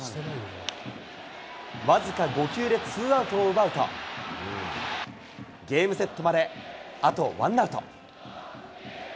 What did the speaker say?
僅か５球でツーアウトを奪うと、ゲームセットまであとワンアウト。